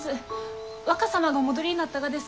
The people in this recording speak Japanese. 若様がお戻りになったがです